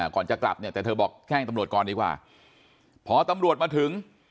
ก่อนจะกลับเนี่ยแต่เธอบอกแจ้งตำรวจก่อนดีกว่าพอตำรวจมาถึง